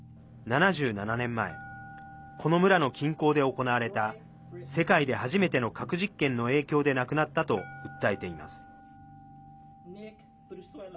７７年前この村の近郊で行われた世界で初めての核実験の影響で亡くなったと訴えています。